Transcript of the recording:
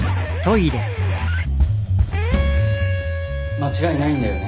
間違いないんだよね？